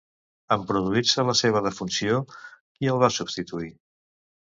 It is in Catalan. En produir-se la seva defunció, qui el va substituir?